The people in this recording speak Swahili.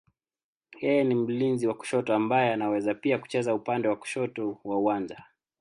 Yeye ni mlinzi wa kushoto ambaye anaweza pia kucheza upande wa kushoto wa uwanja.